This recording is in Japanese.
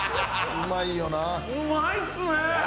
うまいっすね。